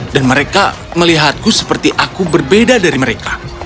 dan mereka melihatku seperti aku berbeda dari mereka